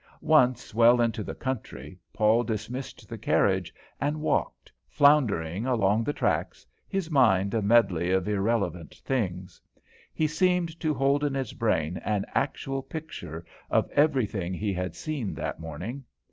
Once well into the country, Paul dismissed the carriage and walked, floundering along the tracks, his mind a medley of irrelevant things. He seemed to hold in his brain an actual picture of everything he had seen that morning.